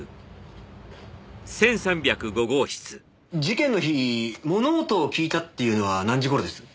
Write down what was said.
事件の日物音を聞いたっていうのは何時頃です？